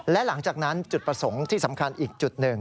และหลังจากนั้นจุดประสงค์ที่สำคัญอีกจุดหนึ่ง